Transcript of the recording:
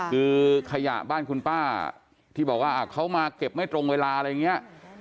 คือขยะบ้านคุณป้าที่บอกว่าเขามาเก็บไม่ตรงเวลาอะไรอย่างนี้